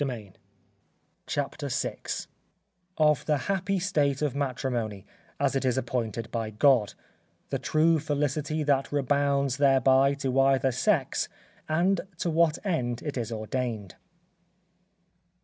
CHAPTER VI _Of the happy state of matrimony, as it is appointed by God, the true felicity that rebounds thereby to either sex; and to what end it is ordained.